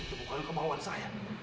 itu bukan kemauan saya